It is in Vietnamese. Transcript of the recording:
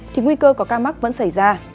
thì nguy cơ có ca mắc vẫn xảy ra